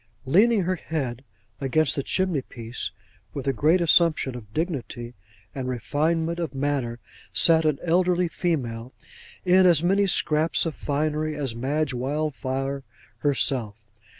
Leaning her head against the chimney piece, with a great assumption of dignity and refinement of manner, sat an elderly female, in as many scraps of finery as Madge Wildfire herself.